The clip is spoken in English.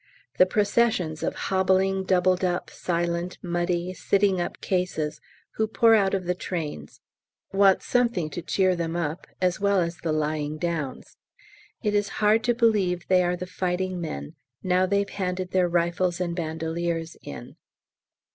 The processions of hobbling, doubled up, silent, muddy, sitting up cases who pour out of the trains want something to cheer them up, as well as the lying downs. It is hard to believe they are the fighting men, now they've handed their rifles and bandoliers in.